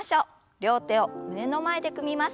両手を胸の前で組みます。